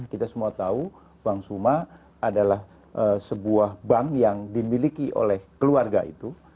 kita semua tahu bank suma adalah sebuah bank yang dimiliki oleh keluarga itu